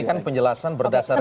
ini kan penjelasan berdasarkan